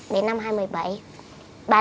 đến năm hai nghìn một mươi bảy